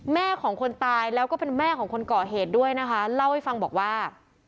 แม่ของคนตายแล้วก็เป็นแม่ของคนก่อเหตุด้วยนะคะเล่าให้ฟังบอกว่า